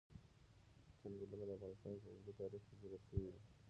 چنګلونه د افغانستان په اوږده تاریخ کې ذکر شوی دی.